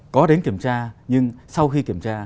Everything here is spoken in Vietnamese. có đến kiểm tra nhưng sau khi kiểm tra